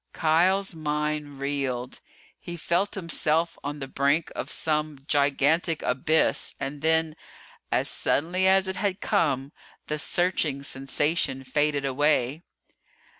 Kial's mind reeled. He felt himself on the brink of some gigantic abyss and then, as suddenly as it had come, the searching sensation faded away.